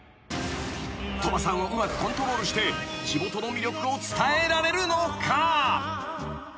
［鳥羽さんをうまくコントロールして地元の魅力を伝えられるのか？］